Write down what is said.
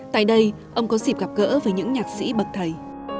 tại đây ông có dịp gặp gỡ với những nhạc sĩ bậc thầy